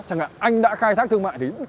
chẳng hạn anh đã khai thác thương mại thì